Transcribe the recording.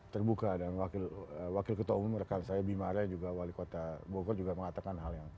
terbuka dan wakil wakil ketua umum rekan saya bima arya juga wali kota bogor juga mengatakan hal yang